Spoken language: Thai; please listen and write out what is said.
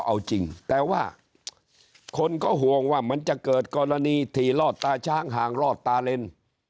เอาจริงแต่ว่าคนก็ห่วงว่ามันจะเกิดกรณีถี่ลอดตาช้างห่างรอดตาเลน